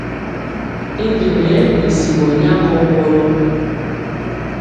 I njenɛ nɛ simɔ nyaŋgɔ wɔrɔ.